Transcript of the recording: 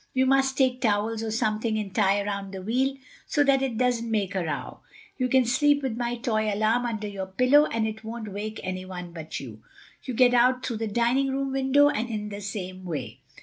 You must take towels or something and tie around the wheel so that it doesn't make a row. You can sleep with my toy alarm under your pillow and it won't wake anyone but you. You get out through the dining room window and in the same way.